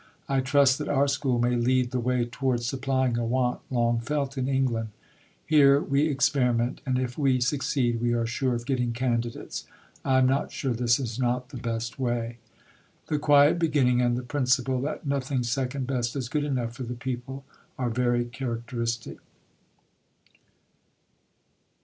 I trust that our School may lead the way towards supplying a want long felt in England. Here we experiment; and if we succeed, we aresure of getting candidates. I am not sure this is not the best way. The quiet beginning and the principle that nothing second best is good enough for the people are very characteristic.